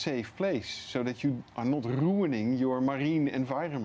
agar anda tidak merubah alam marina anda